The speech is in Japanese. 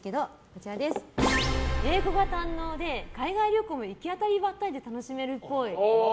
英語が堪能で海外旅行も行き当たりばったりで楽しめるっぽい。